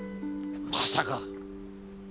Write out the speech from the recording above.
まさか！